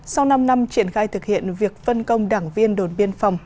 sau năm năm triển khai thực hiện việc phân công đảng viên đồn biên phòng